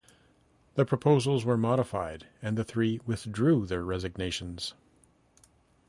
The proposals were modified, and the three withdrew their resignations.